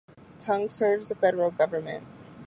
Tung serves the Federal Government.